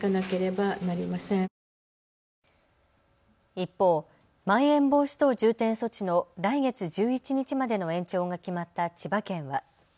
一方、まん延防止等重点措置の来月１１日までの延長が決まった千葉県は。